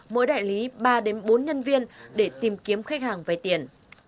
mỗi đại lý ba bốn nhân viên để tìm kiếm khách hàng về tiền